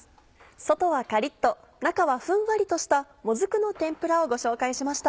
外はカリっと中はふんわりとしたもずくの天ぷらをご紹介しました。